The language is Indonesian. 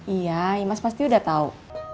iya iya mas pasti udah tau